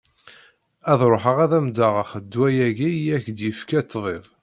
Ad ruḥeɣ ad am-d-aɣeɣ ddwa-agi i ak-d-yefka ṭṭbib.